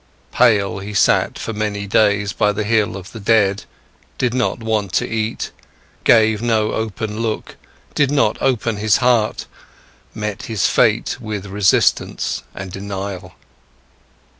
Pale, he sat for many days by the hill of the dead, did not want to eat, gave no open look, did not open his heart, met his fate with resistance and denial.